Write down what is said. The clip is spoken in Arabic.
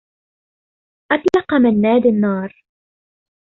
أطلق منّاد النّار.